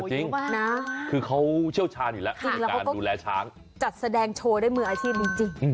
อ๋อจริงคือเขาเชี่ยวชาญอีกแล้วจัดแสดงโชว์ได้เมื่ออาชีพจริง